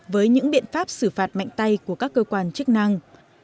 với những biện pháp xử phạt mạnh tay của các cơ quan chức năng